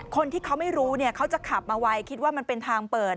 คนที่เขาไม่รู้เขาจะขับมาไวคิดว่ามันเป็นทางเปิด